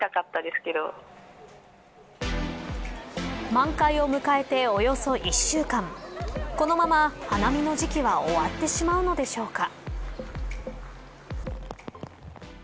満開を迎えておよそ１週間このまま花見の時期は終わってしまうのでしょうか。